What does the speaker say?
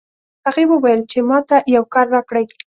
هغې وویل چې ما ته یو کار راکړئ